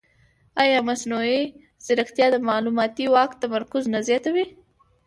ایا مصنوعي ځیرکتیا د معلوماتي واک تمرکز نه زیاتوي؟